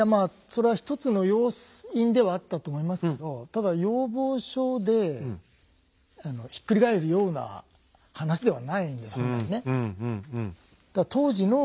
それは一つの要因ではあったと思いますけどただ要望書でひっくり返るような話ではないんです本来ね。